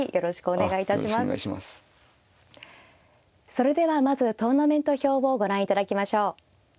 それではまずトーナメント表をご覧いただきましょう。